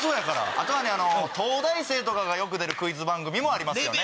あとは東大生とかがよく出るクイズ番組もありますよね。